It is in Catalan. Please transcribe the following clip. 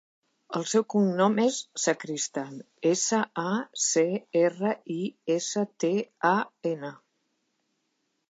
El seu cognom és Sacristan: essa, a, ce, erra, i, essa, te, a, ena.